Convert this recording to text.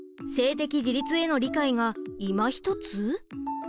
性的自立への理解がいまひとつ？